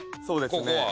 そうですね。